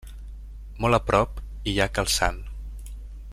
Molt a prop hi ha Cal Sant.